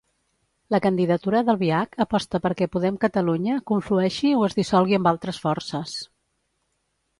La candidatura d'Albiach aposta perquè Podem Catalunya conflueixi o es dissolgui amb altres forces.